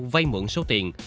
vây mượn số tiền